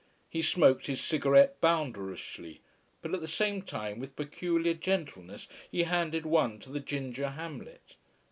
He smoked his cigarette bounderishly: but at the same time, with peculiar gentleness, he handed one to the ginger Hamlet.